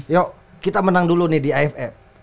yuk kita menang dulu nih di aff